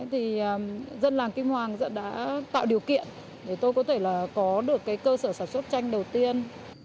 thì dân làng kim hoàng đã tạo điều kiện để tôi có thể là có được cái cơ sở sản xuất tranh đầu tiên